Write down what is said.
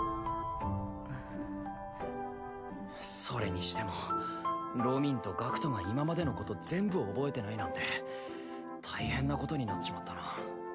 それにしてもロミンと学人が今までのこと全部覚えてないなんて大変なことになっちまったな。